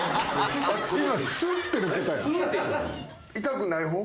痛くない方？